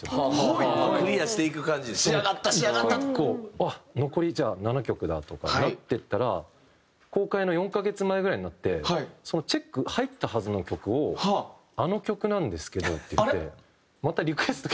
「あっ残りじゃあ７曲だ」とかになっていったら公開の４カ月前ぐらいになってチェック入ったはずの曲を「あの曲なんですけど」って言って。